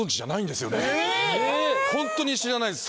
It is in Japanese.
ホントに知らないです